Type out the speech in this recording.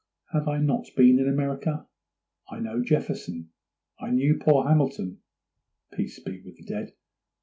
Have I not been in America? I know Jefferson; I knew poor Hamilton—peace be with the dead!